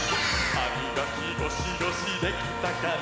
「はみがきゴシゴシできたかな？」